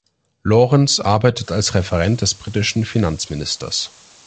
Lawrence arbeitet als Referent des britischen Finanzministers.